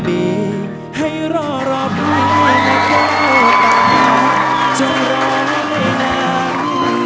จะรอไม่ได้นาน